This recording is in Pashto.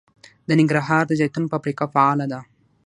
د ننګرهار د زیتون فابریکه فعاله ده.